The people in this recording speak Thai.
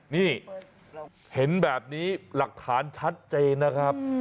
นี่เห็นแบบนี้หลักฐานชัดเจนนะครับ